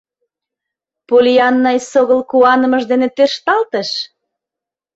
Поллианна эсогыл куанымыж дене тӧршталтыш: